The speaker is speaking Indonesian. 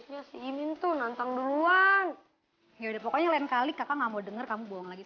ya udah pokoknya lain kali kakak nggak mau denger kamu bohong lagi